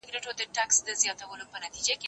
پلان جوړ کړه!.